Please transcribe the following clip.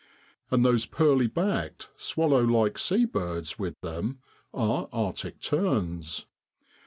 And those pearly backed, swallow like sea birds with them are Arctic terns.